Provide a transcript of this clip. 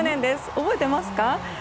覚えていますか？